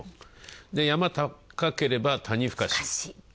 山高ければ谷深し。